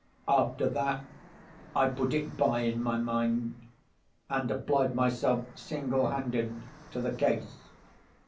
After that, I put it by in my mind, and applied myself, single handed, to the case.